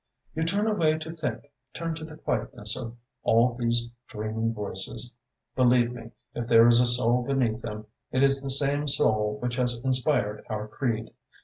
You turn away to think, turn to the quietness of all these dreaming voices. Believe me, if there is a soul beneath them, it is the same soul which has inspired our creed.